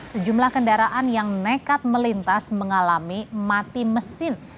sejumlah kendaraan yang nekat melintas mengalami mati mesin